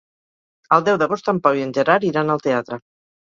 El deu d'agost en Pau i en Gerard iran al teatre.